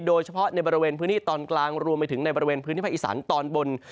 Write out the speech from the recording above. โดยเฉพาะในบริเวณพื้นที่ตอนกลางรวมไปถึงในบริเวณพื้นที่ภาคอีสานตอนบน